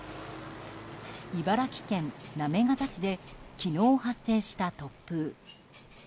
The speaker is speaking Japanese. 茨城県行方市で昨日発生した突風。